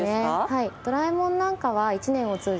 はい。